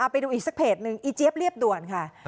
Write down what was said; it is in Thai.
ไปดูอีกสักเพจหนึ่งอีเจี๊ยบเรียบด่วนค่ะ